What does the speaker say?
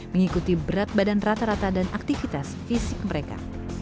mengikuti berat badan rata rata dan aktivitas fisik mereka